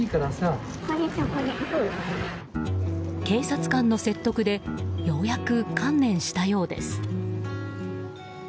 警察官の説得でようやく観念したようです。